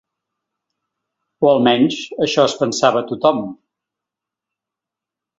O almenys això es pensava tothom.